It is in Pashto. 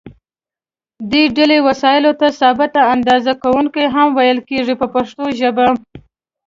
دې ډلې وسایلو ته ثابته اندازه کوونکي هم ویل کېږي په پښتو ژبه.